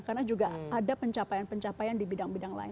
karena juga ada pencapaian pencapaian di bidang bidang lain